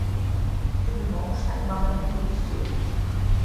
"Czyby mąż tak babę ujeździł?..."